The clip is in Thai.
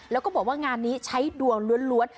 แล้วก็บอกว่างานนี้ใช้ดวงล้วน